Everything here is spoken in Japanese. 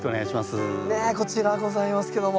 ねえこちらございますけども。